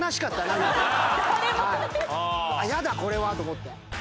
「やだこれは」と思って。